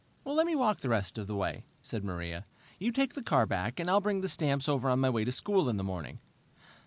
"Let me walk the rest of the way," said Maria. "You take the car back, and I'll bring the stamps over on my way to school in the morning."